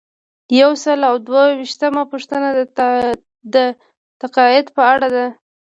یو سل او دوه ویشتمه پوښتنه د تقاعد په اړه ده.